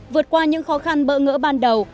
vượt qua những khó khăn bỡ ngỡ ban đầu